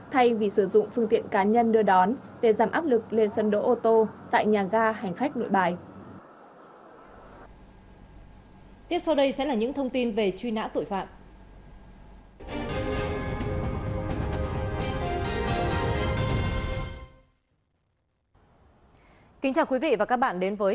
thay vì sử dụng phương tiện cá nhân đưa đón để giảm áp lực lên sân đỗ ô tô tại nhà ga hành khách nội bài